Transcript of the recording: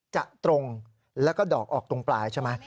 จะตรงแล้วก็ดอกออกตรงปลายใช่ไหม